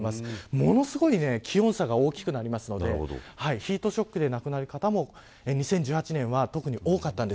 ものすごい気温差が大きくなるのでヒートショックで亡くなる方も２０１８年は特に多かったんです。